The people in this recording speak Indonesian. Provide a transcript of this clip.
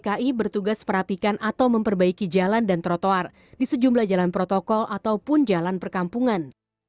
pasukan kuning yang berada di bawah dinas binamarga dki bertugas perapikan atau memperbaiki jalan dan trotoar di sejumlah jalan protokol ataupun jalan perkampungan